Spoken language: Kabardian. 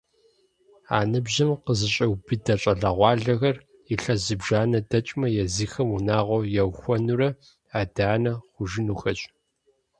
А ныбжьым къызэщӏиубыдэ щӏалэгъуалэхэр илъэс зыбжанэ дэкӏмэ езыхэм унагъуэ яухуэнурэ адэ-анэ хъужынухэщ.